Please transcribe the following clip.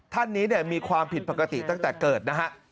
ท่านนี้มีความผิดปกติตั้งแต่เกิดนะฮะ